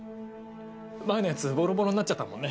前のやつボロボロになっちゃったもんね。